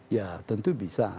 ya tentu bisa